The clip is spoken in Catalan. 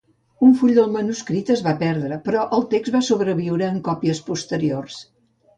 Un full del manuscrit es va perdre, però el text va sobreviure en còpies posteriors.